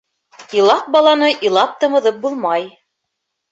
Илаҡ баланы илап тымыҙып булмай.